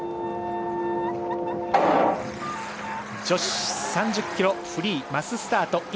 女子３０ｋｍフリーマススタート。